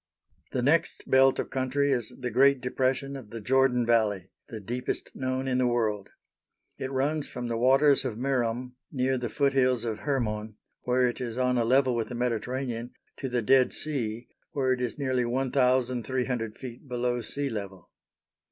The next belt of country is the great depression of the Jordan Valley, the deepest known in the world. It runs from "the waters of Merom," near the foothills of Hermon, where it is on a level with the Mediterranean, to the Dead Sea, where it is nearly 1,300 ft. below sea level.